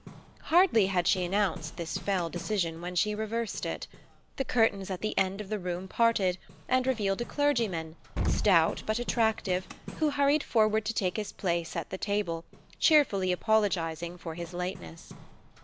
Hardly had she announced this fell decision when she reversed it. The curtains at the end of the room parted, and revealed a clergyman, stout but attractive, who hurried forward to take his place at the table, cheerfully apologizing for his lateness.